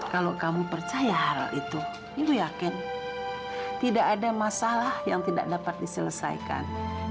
kalau kamu percaya hal itu ibu yakin tidak ada masalah yang tidak dapat diselesaikan